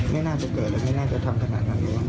ไม่น่าจะเกิดแล้วไม่น่าจะทำขนาดนั้นเลย